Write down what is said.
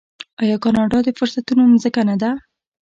آیا کاناډا د فرصتونو ځمکه نه ده؟